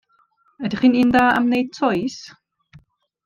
Ydych chi'n un da am wneud toes?